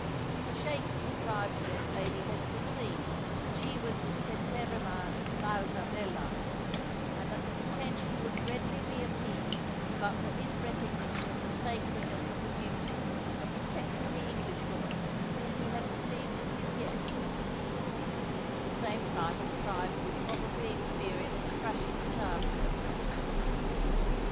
The sheikh contrived to let Lady Hester see that she was the teterrima causa belli, and that the contention would readily be appeased but for his recognition of the sacredness of the duty of protecting the Englishwoman whom he had received as his guest; at the same time his tribe would probably experience a crushing disaster.